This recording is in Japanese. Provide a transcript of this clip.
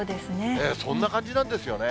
そんな感じなんですよね。